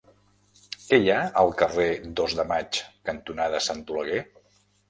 Què hi ha al carrer Dos de Maig cantonada Sant Oleguer?